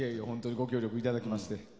ご協力いただきまして。